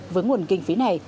với nguồn kinh phí này